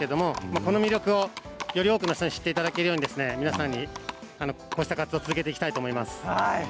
この魅力をより多くの人に知ってもらえるように皆さんに、こうした活動を続けていきたいと思います。